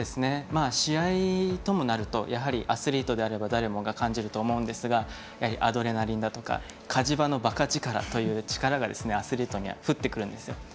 試合ともなるとやはりアスリートとなると誰もが感じると思うんですがアドレナリンだとか火事場のばか力という力がアスリートには降ってくるんですよ。